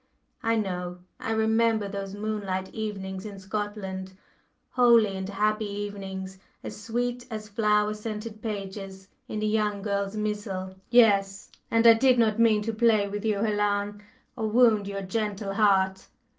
I know I remember those moonlight evenings in Scotland holy and happy evenings, as sweet as flower scented pages in a young girl's missal; yes, and I did not mean to play with you, Helen, or wound your gentle heart.